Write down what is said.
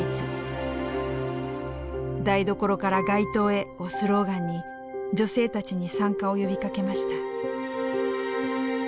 「台所から街頭へ」をスローガンに女性たちに参加を呼びかけました。